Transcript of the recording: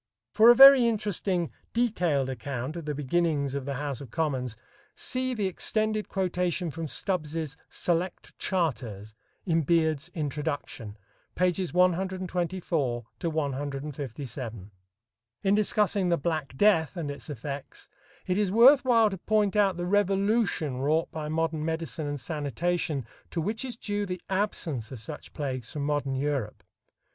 For a very interesting detailed account of the beginnings of the House of Commons, see the extended quotation from Stubbs's "Select Charters" in Beard's "Introduction," pp. 124 157. In discussing the "black death" and its effects, it is worth while to point out the revolution wrought by modern medicine and sanitation to which is due the absence of such plagues from modern Europe.